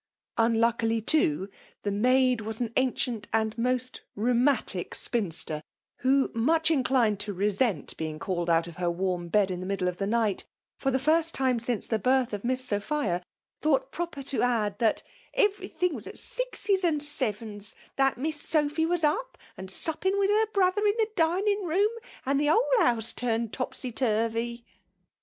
'* Unluckily, too, the maid was an ancient and most rheumatic spinster; who, much inclined to resent being called out of her warm bed in the middle of the night, for the first time since the birth of Miss Sophia, thought proper to add that Everything was at sixes and sevens ; that Miss Sophy was up, and supping with her FEMALE DOMINATION. 23 biother in the dining room; and the whole house turned topsy turvy."